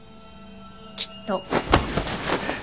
きっと。